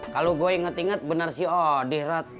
kalau gua inget inget benar si odih rod